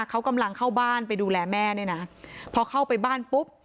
เขากำลังเข้าบ้านไปดูแลแม่เนี่ยนะพอเข้าไปบ้านปุ๊บ